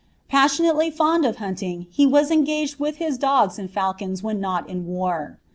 Passionately (bnd of hauling, be m ung^cd with his dogs and falcons when n<M in war.